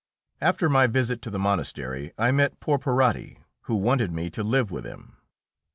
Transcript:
After my visit to the monastery I met Porporati, who wanted me to live with him.